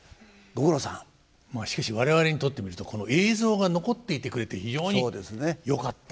まあしかし我々にとってみるとこの映像が残っていてくれて非常によかった。